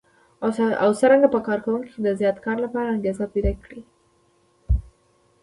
او څرنګه په کار کوونکو کې د زیات کار لپاره انګېزه پيدا کړي.